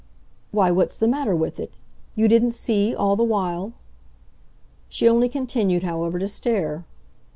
"Why, what's the matter with it. You didn't see, all the while?" She only continued, however, to stare.